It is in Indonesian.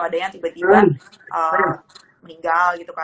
ada yang tiba tiba meninggal gitu kan